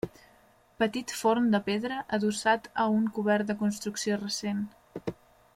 Petit forn de pedra adossat a un cobert de construcció recent.